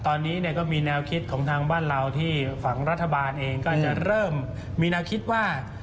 ตอนนี้ก็มีแนวคิดของทางบ้านเราที่ฝั่งรัฐบาลเองก็จะเริ่มมีแนวคิดว่า